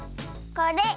これ。